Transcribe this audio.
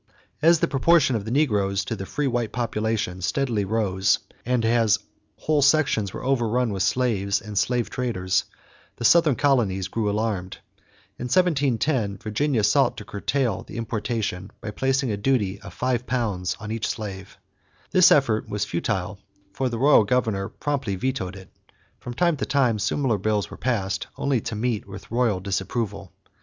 As the proportion of the negroes to the free white population steadily rose, and as whole sections were overrun with slaves and slave traders, the Southern colonies grew alarmed. In 1710, Virginia sought to curtail the importation by placing a duty of £5 on each slave. This effort was futile, for the royal governor promptly vetoed it. From time to time similar bills were passed, only to meet with royal disapproval.